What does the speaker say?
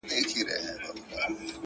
د ګیلاس لوري د شراب او د مینا لوري،